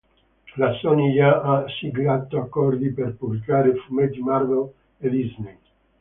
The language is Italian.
La Sony già ha siglato accordi per pubblicare fumetti Marvel e Disney.